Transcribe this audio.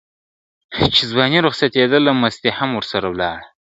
چي ځواني رخصتېدله مستي هم ورسره ولاړه ..